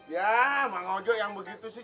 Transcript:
ya mang ojok yang begitu sih